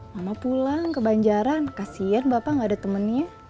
mama pulang ke banjaran kasian bapak gak ada temennya